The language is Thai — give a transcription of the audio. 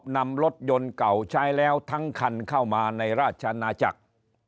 นำรถยนต์เก่าใช้แล้วทั้งคันเข้ามาในราชนาจักร